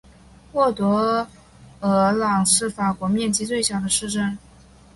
沃德尔朗是法国面积最小的市镇。